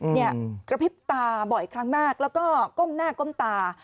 กระพริบตาบ่อยครั้งมากแล้วก็ก้มหน้าก้มตา